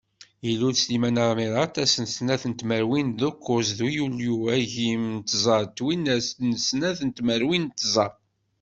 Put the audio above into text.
Ilul Sliman Ɛmirat ass n snat tmerwin d ukkuẓ deg yulyu agim d tẓa twinas d snat tmerwin d tẓa.